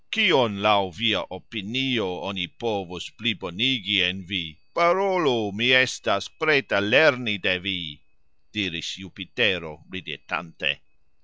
Kion laux via opinio oni povus plibonigi en vi? Parolu, mi estas preta lerni de vi diris Jupitero ridetante.